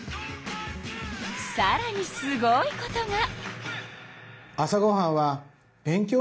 さらにすごいことが。